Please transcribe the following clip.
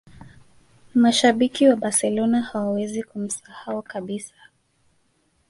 mashabiki wa barcelona hawawezi kumsahau kabisa